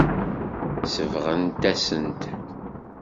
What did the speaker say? Sebɣent-asent-t.